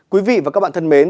quý vị và các bạn thân mến